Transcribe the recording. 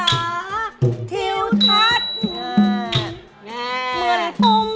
อะไรมั้ยครับ